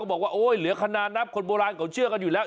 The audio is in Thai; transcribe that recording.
บอกว่าโอ้ยเหลือขนาดนับคนโบราณเขาเชื่อกันอยู่แล้ว